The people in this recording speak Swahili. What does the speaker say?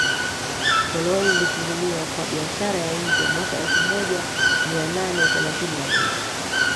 Koloni lilifunguliwa kwa biashara ya nje mwaka elfu moja mia nane thelathini na moja